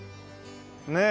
ねえ。